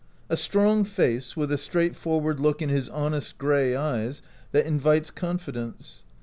A strong face, with a straightforward look in his honest gray eyes that invites confidence.